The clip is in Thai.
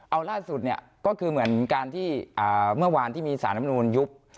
เอาล่าสุดเนี่ยก็คือเหมือนการที่เมื่อวานที่มีสารลำนูลยุบ